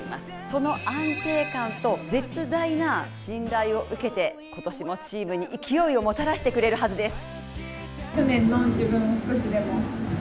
その安定感と絶大な信頼を受けて今年もチームに勢いをもたらしてくれるはずです。